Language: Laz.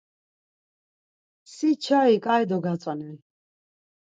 Si çai ǩai dogatzonen.